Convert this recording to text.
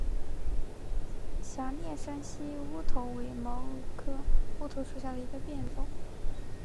狭裂山西乌头为毛茛科乌头属下的一个变种。